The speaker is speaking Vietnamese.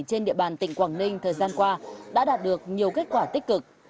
trên địa bàn tỉnh quảng ninh thời gian qua đã đạt được nhiều kết quả tích cực